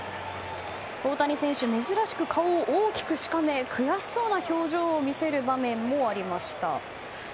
大谷選手、珍しく顔を大きくしかめ悔しそうな表情を見せる場面もありました。